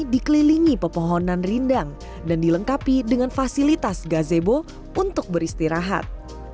dikelilingi pepohonan rindang dan dilengkapi dengan fasilitas gazebo untuk beristirahat